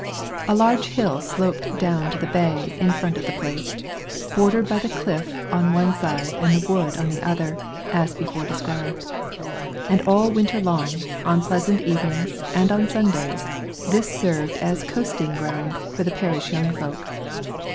A large hill sloped down to the bay in front of the place, bordered by the cliff on one side and the wood on the other, as before described; and all winter long, on pleasant evenings and on Sundays, this served as coasting ground for the parish young folks.